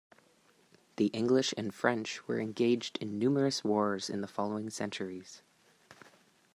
The English and French were engaged in numerous wars in the following centuries.